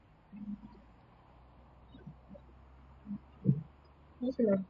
Vikosi vya Marekani havitalazimika tena kusafiri